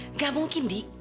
nggak mungkin di